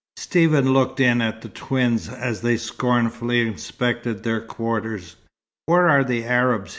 Stephen looked in at the twins, as they scornfully inspected their quarters. "Where are the Arabs?"